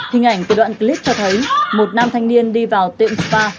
hình ảnh từ đoạn clip cho thấy một nam thanh niên đi vào tiệm spa